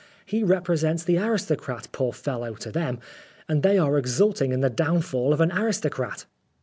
He represents the aristocrat, poor fellow, to them, and they are exulting in the downfall of an aristocrat."